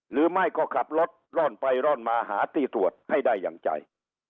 หรือไม่ก็ขับรถร่อนไปร่อนมาหาที่ตรวจให้ได้อย่างใจ